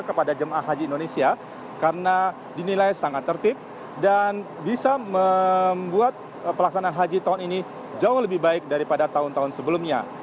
kepada jemaah haji indonesia karena dinilai sangat tertib dan bisa membuat pelaksanaan haji tahun ini jauh lebih baik daripada tahun tahun sebelumnya